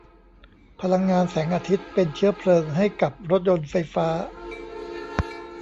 พลังงานแสงอาทิตย์เป็นเชื้อเพลิงให้กับรถยนต์ไฟฟ้า